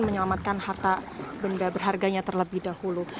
menyelamatkan harta benda berharganya terlebih dahulu